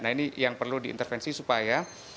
nah ini yang perlu diintervensi supaya